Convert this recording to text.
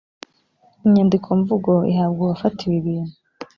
inyandikomvugo ihabwa uwafatiwe ibintu